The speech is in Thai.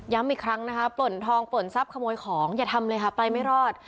อีกครั้งนะคะปล่นทองปล่นทรัพย์ขโมยของอย่าทำเลยค่ะไปไม่รอด